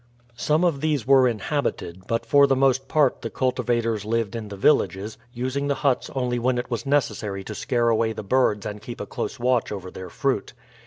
Some of these were inhabited, but for the most part the cultivators lived in the villages, using the huts only when it was necessary to scare away the birds and keep a close watch over their fruit.